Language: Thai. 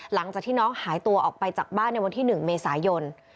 หลังจากที่น้องหายตัวออกไปจากบ้านในวันที่๑เมษายน